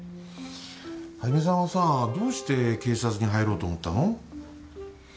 一さんはさどうして警察に入ろうと思ったの？